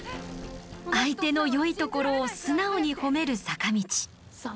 相手の良いところを素直に褒める坂道。